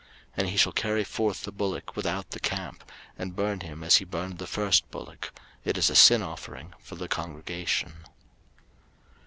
03:004:021 And he shall carry forth the bullock without the camp, and burn him as he burned the first bullock: it is a sin offering for the congregation.